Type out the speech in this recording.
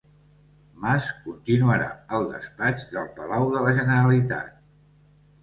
Mas continuarà al despatx del Palau de la Generalitat